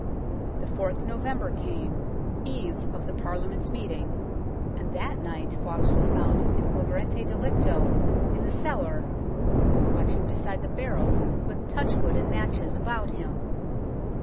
The 4th November came, eve of the Parliament's meeting, and that night Fawkes was found in flagrante delicto in the cellar, watching beside the barrels with touch wood and matches about him.